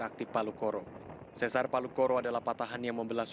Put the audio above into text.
jadi sepanjang sesarnya dia bergerak